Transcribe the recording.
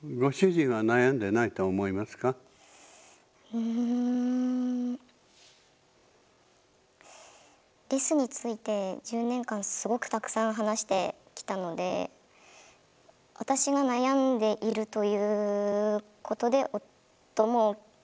うんレスについて１０年間すごくたくさん話してきたので私が悩んでいるということで夫も悩んでるとは思うんですけれども。